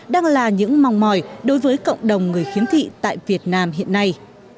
đang là những mong mỏi đối với cộng đồng người khiếm thị tại việt nam hiện nay